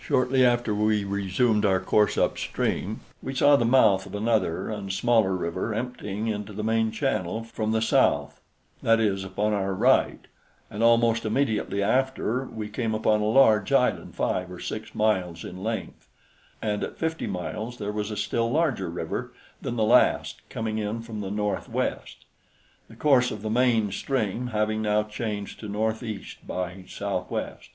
Shortly after we resumed our course upstream, we saw the mouth of another and smaller river emptying into the main channel from the south that is, upon our right; and almost immediately after we came upon a large island five or six miles in length; and at fifty miles there was a still larger river than the last coming in from the northwest, the course of the main stream having now changed to northeast by southwest.